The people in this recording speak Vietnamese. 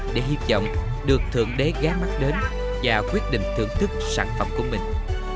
để hy vọng được thượng đế ghé mắt đến và quyết định thưởng thức sản phẩm của mình